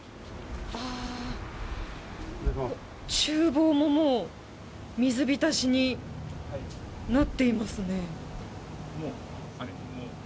厨房ももう水浸しになっていますね。